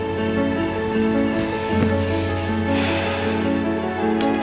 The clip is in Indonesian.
pak suria bener